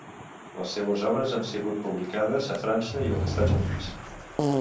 Les seues obres han sigut publicades a França i els Estats Units.